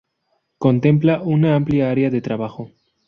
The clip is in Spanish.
Contempla una amplia área de trabajo.